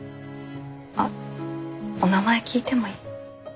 あっお名前聞いてもいい？